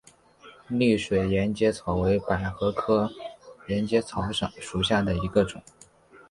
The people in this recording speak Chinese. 丽叶沿阶草为百合科沿阶草属下的一个种。